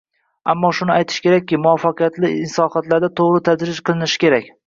Avvalo shuni aytish kerakki, muvaffaqiyatli islohotlarda to‘g‘ri tadrij qilinishi kerak